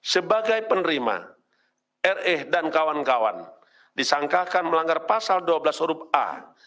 sebagai penerima re dan kawan kawan disangkakan melanggar pasal dua belas huruf a